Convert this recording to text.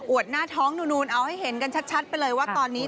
วดหน้าท้องนูนเอาให้เห็นกันชัดไปเลยว่าตอนนี้